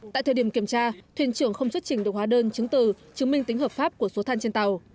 tại thời điểm kiểm tra thuyền trưởng không xuất trình được hóa đơn chứng từ chứng minh tính hợp pháp của số than trên tàu